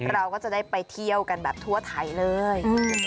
เราก็จะได้ไปเที่ยวกันแบบทั่วไทยเลย